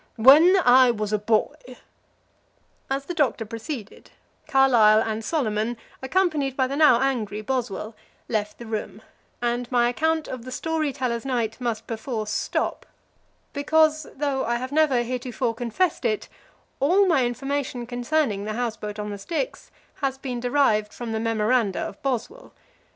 When I was a boy " As the Doctor proceeded, Carlyle and Solomon, accompanied by the now angry Boswell, left the room, and my account of the Story tellers' Night must perforce stop; because, though I have never heretofore confessed it, all my information concerning the house boat on the Styx has been derived from the memoranda of Boswell.